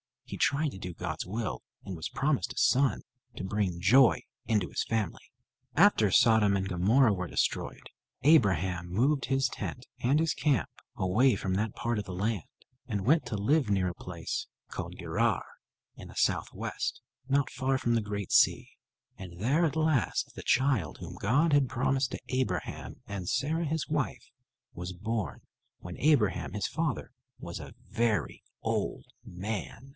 He tried to do God's will and was promised a son to bring joy into his family. After Sodom and Gomorrah were destroyed, Abraham moved his tent and his camp away from that part of the land, and went to live near a place called Gerar, in the southwest, not far from the Great Sea. And there at last, the child whom God had promised to Abraham and Sarah, his wife, was born, when Abraham, his father, was a very old man.